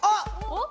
おっ。